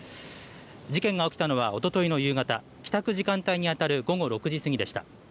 事件が起きたのはおとといの夕方、帰宅時間帯にあたる午後６時過ぎでした。